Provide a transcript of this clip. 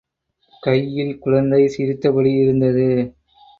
கையில் குழந்தை சிரித்தபடி இருந்தது.